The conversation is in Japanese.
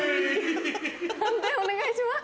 判定お願いします。